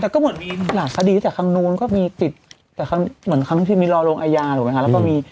คำนวงมีแต่ครั้งนู้นก็มีติดแต่ครั้งเหมือนครั้งที่มีรอโรงโยงอายานแล้วก็มี